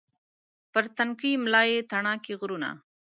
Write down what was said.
پر تنکۍ ملا یې تڼاکې غرونه